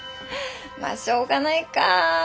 まあしょうがないか。